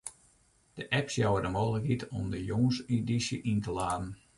De apps jouwe de mooglikheid om de jûnsedysje yn te laden.